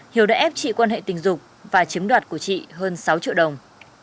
hiếu đã ép chị quan hệ tình dục và chiếm đoạt của chị hơn sáu triệu đồng